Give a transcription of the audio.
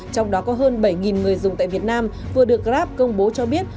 trong đó có hơn bảy người dùng tại việt nam vừa được grab công bố cho biết